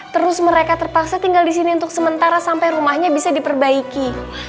terus mereka terpaksa tinggal di sini untuk sementara sampai rumahnya bisa diperbaiki